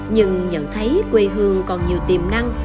nhưng nhận thấy quê hương còn nhiều tiềm năng